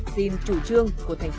xin chủ trương